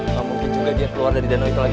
nggak mungkin juga dia keluar dari danau itu lagi